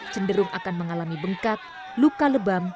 cenderung akan mengalami bengkak luka lebam